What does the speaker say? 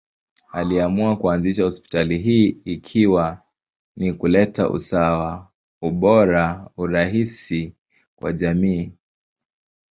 Aliamua kuanzisha hospitali hii ikiwa ni kuleta usawa, ubora, urahisi kwa jamii.